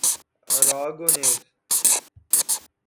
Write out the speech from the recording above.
Aragonese